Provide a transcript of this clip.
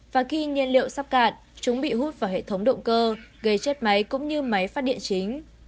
và khi nhiên liệu sắp cạn chúng bị hút vào hệ thống động cơ gây chết máy cũng như máy phát điện chính